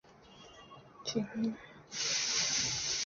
底面主要为白色。